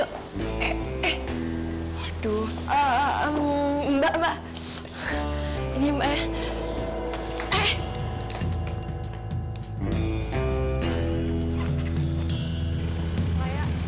aduh mbak mbak ini meh eh